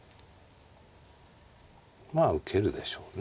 まあ受けるでしょうね。